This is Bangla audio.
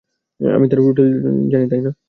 আমি তার রুটিন জানি, তাই না?